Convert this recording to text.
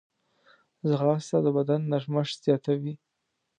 ځغاسته د بدن نرمښت زیاتوي